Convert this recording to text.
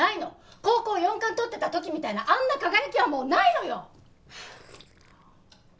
高校４冠とってた時みたいなあんな輝きはもうないのよ！